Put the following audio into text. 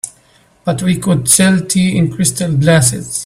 But we could sell tea in crystal glasses.